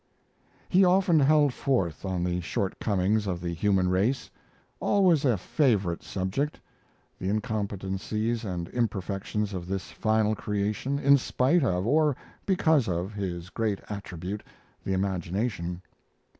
Ed.] He often held forth on the shortcomings of the human race always a favorite subject the incompetencies and imperfections of this final creation, in spite of, or because of, his great attribute the imagination.